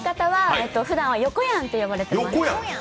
ふだんは、よこやんって呼ばれてます。